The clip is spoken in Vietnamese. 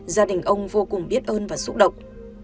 gia đình ông vô cùng biết ơn và xúc động